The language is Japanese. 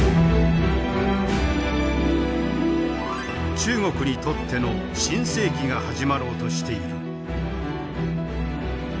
中国にとっての新世紀が始まろうとしている。